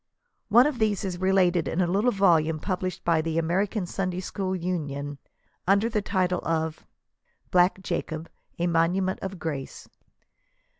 One of these is related in a little volume published by the American Sunday School Union, under the title of "Black Jacob, a Monument of Grace."